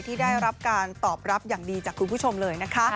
ที่ได้รับการตอบรับอย่างดีจากคุณผู้ชมเลยนะคะ